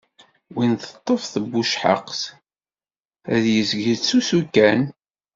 Win teṭṭef tbucehhaqt, ad yezg yettusu kan.